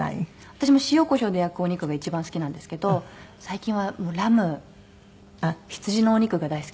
私も塩コショウで焼くお肉が一番好きなんですけど最近はラム羊のお肉が大好きで。